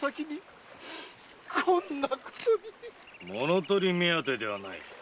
物盗り目当てではない。